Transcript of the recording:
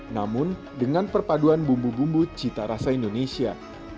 namun dengan perpaduan bumbu bumbu cita rasa indonesia